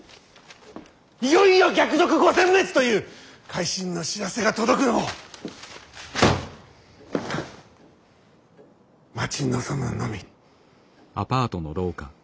「いよいよ逆賊御殲滅！」という会心の報せが届くのを待ち望むのみ！